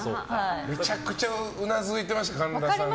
めちゃくちゃうなずいてました神田さんが。